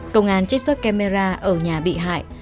công an chích xuất camera ở nhà trung tâm